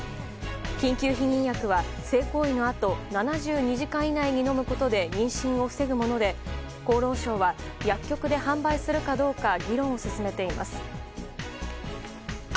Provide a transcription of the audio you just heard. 緊急避妊薬は性行為のあと７２時間以内に飲むことで妊娠を防ぐもので、厚労省は薬局で販売するかどうか議論を進めています。